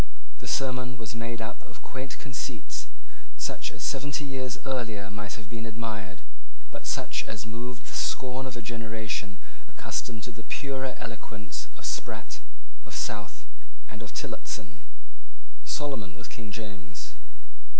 The sermon was made up of quaint conceits, such as seventy years earlier might have been admired, but such as moved the scorn of a generation accustomed to the purer eloquence of Sprat, of South, and of Tillotson. King Solomon was King James.